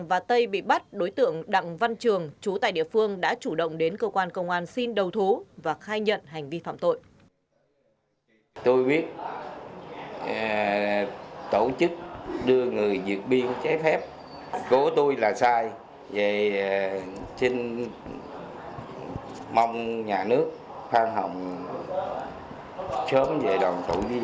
vậy xin mong nhà nước phan hồng sớm về đồng thủ với vợ con